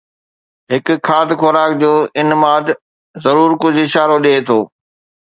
هڪ کاڌ خوراڪ جو انماد ضرور ڪجهه اشارو ڏئي ٿو